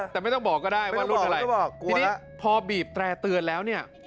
แต่ไม่ต้องบอกก็ได้ว่ารุ่นอะไรบอกทีนี้พอบีบแตร่เตือนแล้วเนี่ย